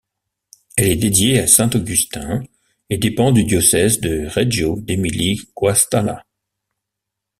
Elle est dédiée à saint Augustin et dépend du diocèse de Reggio d'Émilie-Guastalla.